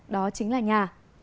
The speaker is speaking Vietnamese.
đó chính là nhà